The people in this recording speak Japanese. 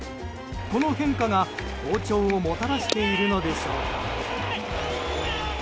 この変化が好調をもたらしているのでしょうか。